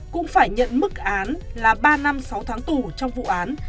cũng phải nhận mức án là ba năm sáu tháng tù trong vụ án